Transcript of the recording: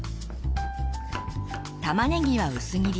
玉ねぎは薄切り。